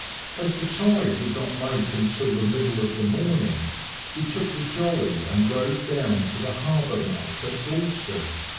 As the tide would not make until the middle of the morning, we took the jolly and rowed down to the harbour mouth at Gorleston.